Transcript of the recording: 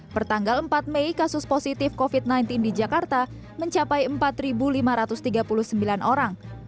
pertanggal empat mei kasus positif covid sembilan belas di jakarta mencapai empat lima ratus tiga puluh sembilan orang